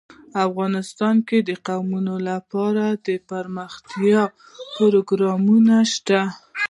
افغانستان کې د قومونه لپاره دپرمختیا پروګرامونه شته.